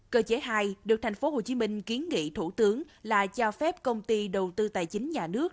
cơ chế hai được tp hcm kiến nghị thủ tướng là cho phép công ty đầu tư tài chính nhà nước